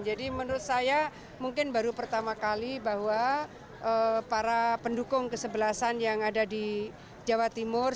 jadi menurut saya mungkin baru pertama kali bahwa para pendukung kesebelasan yang ada di jawa timur